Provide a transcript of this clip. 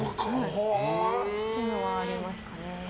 というのはありますかね。